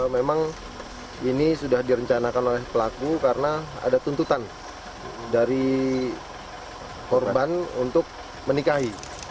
memang ini sudah direncanakan oleh pelaku karena ada tuntutan dari korban untuk menikahi